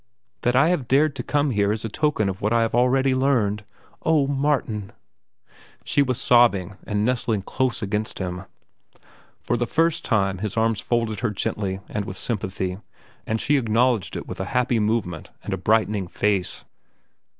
That I have dared to come here is a token of what I have already learned. Oh, Martin!—" She was sobbing and nestling close against him. For the first time his arms folded her gently and with sympathy, and she acknowledged it with a happy movement and a brightening face.